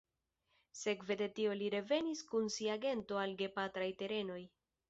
Sekve de tio li revenis kun sia gento al gepatraj terenoj.